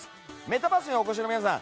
メタバースにお越しの皆さん